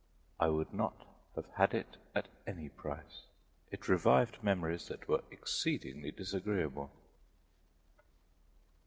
I would not have had it at any price: it revived memories that were exceedingly disagreeable.